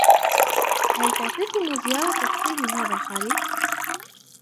هل تعتزم زيارة الصين هذا الخريف ؟